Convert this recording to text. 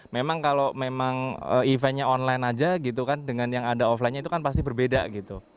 memang kalau memang eventnya online aja gitu kan dengan yang ada offline nya itu kan pasti berbeda gitu